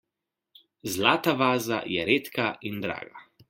Zlata vaza je redka in draga.